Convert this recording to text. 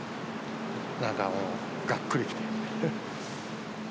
なんかもう、がっくりきて。